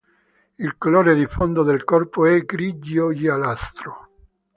Il colore di fondo del corpo è grigio-giallastro.